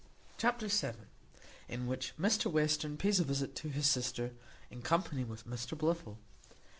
Chapter vii. In which Mr Western pays a visit to his sister, in company with Mr Blifil.